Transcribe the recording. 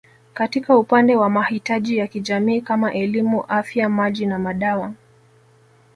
Katika upande wa mahitaji ya kijamii kama elimu Afya Maji na madawa